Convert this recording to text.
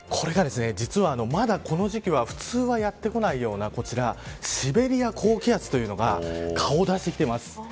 これが実は、まだこの時期が普通はやって来ないようなシベリア高気圧というのが顔を出してきています。